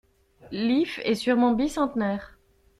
L'if est sûrement bicentenaire.